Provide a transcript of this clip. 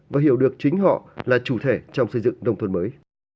và hiểu được chính họ là chủ thể trong xây dựng nông thôn mới